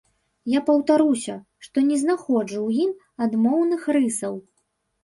Я паўтаруся, што не знаходжу ў ім адмоўных рысаў.